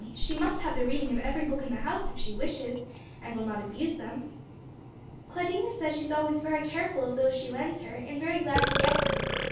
she must have the reading of every book in the house, if she wishes, and will not abuse them." "Claudina says she is always very careful of those she lends her, and very glad to get them.